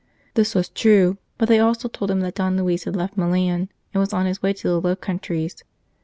This was true, but they also told him that Don Luis had left Milan, and was on his way to the Low Countries.